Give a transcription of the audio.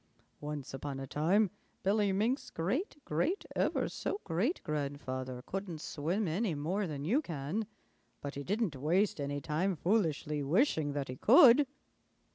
Once upon a time Billy Mink's great great ever so great grandfather couldn't swim any more than you can, but he didn't waste any time foolishly wishing that he could."